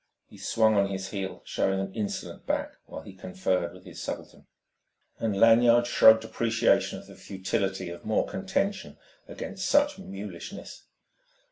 He swung on his heel, showing an insolent back while he conferred with his subaltern. And Lanyard shrugged appreciation of the futility of more contention against such mulishness.